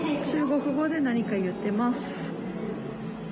中国語で何か言ってます。